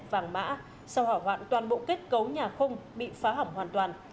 bảng mã sau hỏa hoạn toàn bộ kết cấu nhà không bị phá hỏng hoàn toàn